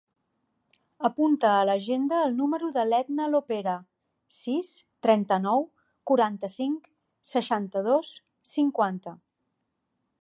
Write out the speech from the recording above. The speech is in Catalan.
Apunta a l'agenda el número de l'Edna Lopera: sis, trenta-nou, quaranta-cinc, seixanta-dos, cinquanta.